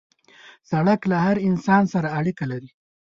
سړک له هر انسان سره اړیکه لري.